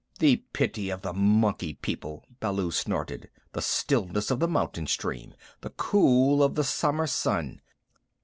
"The pity of the Monkey People!" Baloo snorted. "The stillness of the mountain stream! The cool of the summer sun!